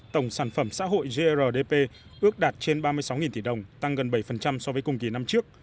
tổng sản phẩm xã hội grdp ước đạt trên ba mươi sáu tỷ đồng tăng gần bảy so với cùng kỳ năm trước